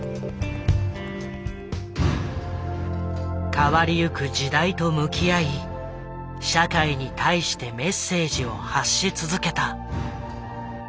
変わりゆく時代と向き合い社会に対してメッセージを発し続けた。